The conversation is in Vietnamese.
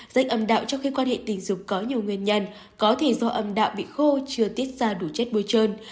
rách âm đạo trong khi quan hệ tình dục có nhiều nguyên nhân có thể do âm đạo bị khô chưa tít ra đủ chết bôi trơn